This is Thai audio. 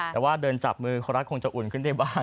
แต่ว่าเดินจับมือเขารักคงจะอุ่นขึ้นได้บ้าง